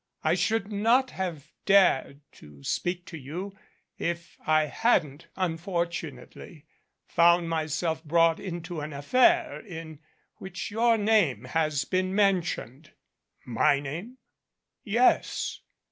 I should not have dared to speak to you if I hadn't, unfortunately, found myself brought into an affair in which your name has been men tioned." "My name?" "Yes.